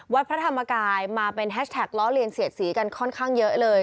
วัดพระธรรมกายมาเป็นแฮชแท็กล้อเลียนเสียดสีกันค่อนข้างเยอะเลย